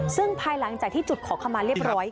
ซึ่งภายหลังจากที่จุดขอขมาเรียบร้อย